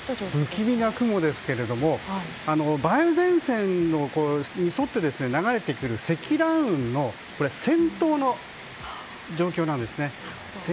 不気味な雲ですが梅雨前線に沿って流れてくる積乱雲の先頭の状況なんですね。